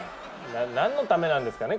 何のためなんですかね